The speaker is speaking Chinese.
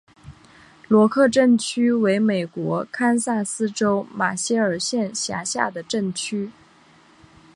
罗克镇区为美国堪萨斯州马歇尔县辖下的镇区。